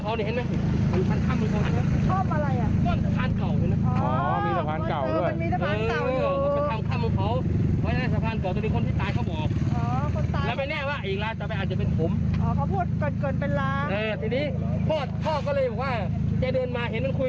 เหวะเห็นเหมือนอ่ะเดินคุย